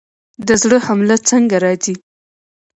د زړه حمله څنګه راځي؟